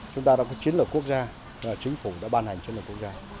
chúng ta đã có chiến lược quốc gia là chính phủ đã ban hành chiến lược quốc gia